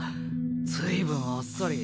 随分あっさり。